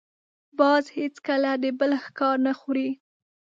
باز هېڅکله د بل ښکار نه خوري